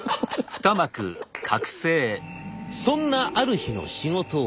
そんなある日の仕事終わり。